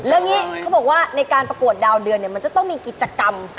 แล้วอย่างนี้เขาบอกว่าในการประกวดดาวเดือนเนี่ยมันจะต้องมีกิจกรรม